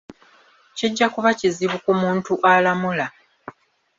Kijja kuba kizibu ku muntu alamula.